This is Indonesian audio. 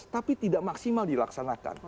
tapi tidak maksimal dilaksanakan